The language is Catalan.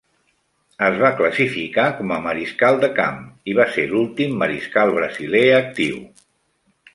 Es va classificar com a mariscal de camp i va ser l'últim mariscal brasiler actiu.